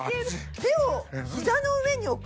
「手を膝の上に置く」。